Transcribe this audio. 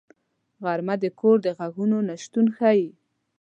غرمه د کور د غږونو نه شتون ښيي